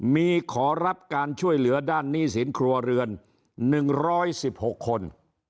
มีขอรับการช่วยเหลือด้านหนี้สินครัวเรือน๑๑๖คน